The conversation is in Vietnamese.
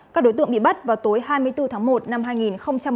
các đối tượng bị bắt vào tối hai mươi bốn tháng một năm hai nghìn một mươi tám